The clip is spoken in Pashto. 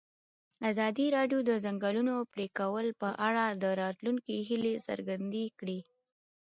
ازادي راډیو د د ځنګلونو پرېکول په اړه د راتلونکي هیلې څرګندې کړې.